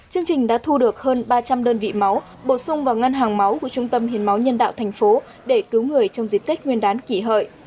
chương trình đã thu được hơn ba trăm linh đơn vị máu bổ sung vào ngân hàng máu của trung tâm hiến máu nhân đạo thành phố để cứu người trong dịp tết nguyên đán kỷ hợi